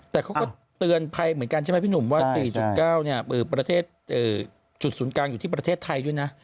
แต่เขาก็เตือนภัยเหมือนกันใช่ไหมพี่หนุ่มว่า๔๙ประเทศจุดศูนย์กลางอยู่ที่ประเทศไทยด้วยนะ